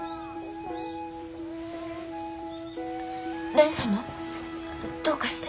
蓮様どうかして？